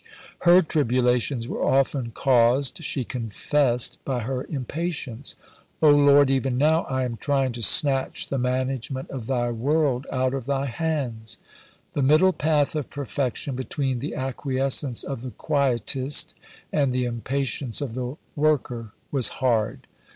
Her tribulations were often caused, she confessed, by her impatience. "O Lord, even now I am trying to snatch the management of Thy world out of Thy hands." The middle path of perfection between the acquiescence of the quietist and the impatience of the worker was hard.